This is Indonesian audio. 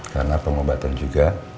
karena pengobatan juga